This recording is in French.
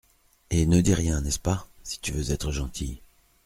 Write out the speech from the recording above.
Et ne dis rien, n'est-ce pas ? si tu veux être gentil.